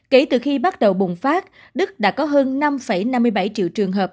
kể từ khi bắt đầu bùng phát đức đã có hơn năm năm mươi bảy triệu trường hợp